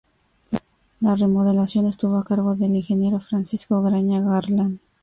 La remodelación estuvo a cargo del ingeniero Francisco Graña Garland.